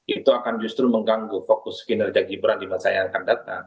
itu akan justru mengganggu fokus kinerja gibran di masa yang akan datang